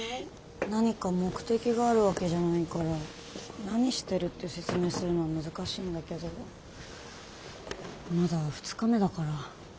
何か目的があるわけじゃないから何してるって説明するのは難しいんだけどまだ２日目だから。